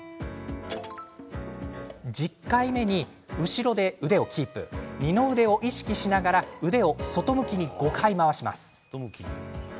１０回目に後ろで腕をキープ二の腕を意識しながら腕を外向きに５回、回します。